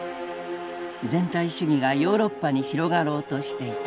全体主義がヨーロッパに広がろうとしていた。